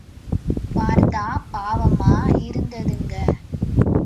பார்த்தா பாவமா இருந்ததுங்க!